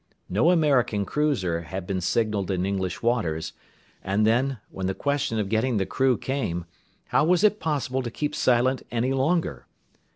No American cruiser had been signalled in English waters; and, then, when the question of getting the crew came, how was it possible to keep silent any longer?